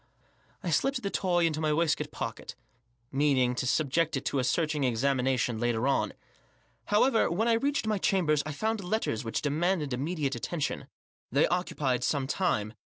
I slipped the toy into my waistcoat pocket, meaning to subject it to a searching examination later on. However, when I reached my chambers I found letters which demanded immediate attentioa They ooeupied some time.